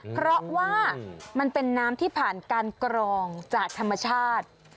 เพราะว่ามันเป็นน้ำที่ผ่านการกรองจากธรรมชาติ